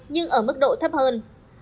nhưng ở mức độ thấp hơn